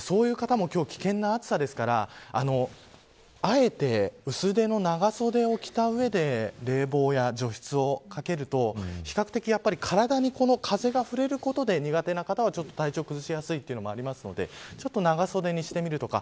そういう方も今日は危険な暑さですからあえて薄手の長袖を着た上で冷房や除湿をかけると比較的、体に風が触れることで苦手な方は体調を崩しやすいというのもあるのでちょっと長袖にしてみるとか。